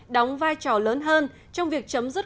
đóng vai trò lớn hơn trong việc chấm dứt